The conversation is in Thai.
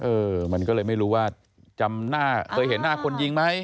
เออมันก็เลยไม่รู้ว่าจำหน้าเคยเห็นหน้าคนยิงไหม